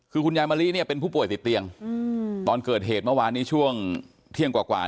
คือคุณยายมะลิเนี่ยเป็นผู้ป่วยติดเตียงตอนเกิดเหตุเมื่อวานนี้ช่วงเที่ยงกว่า